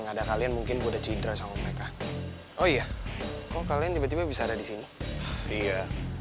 ngada kalian mungkin udah cidera sama mereka oh iya kok kalian tiba tiba bisa ada di sini iya